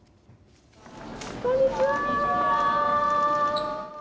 こんにちは。